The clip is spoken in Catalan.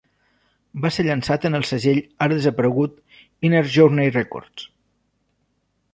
Va ser llançat en el segell ara desaparegut Inner Journey Records.